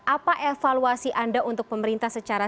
apa evaluasi anda untuk pemerintah secara